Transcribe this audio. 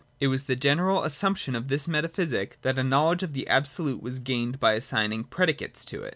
It was the general assumption of this metaphysic that a knowledge of the Absolute was gained by assigning predicates to it.